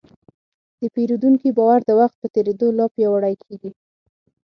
د پیرودونکي باور د وخت په تېرېدو لا پیاوړی کېږي.